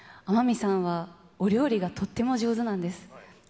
天海さんはお料理がとっても上手なんです。